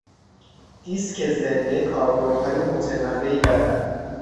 دیسک زنده کاربردهای متنوعی دارد.